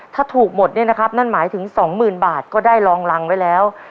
ถ้าถูกหมดเนี่ยนะครับนั่นหมายถึง๒๐๐๐บาทก็ได้รองรังไว้แล้ว